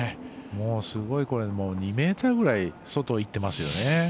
すごい、２ｍぐらい外いってますよね。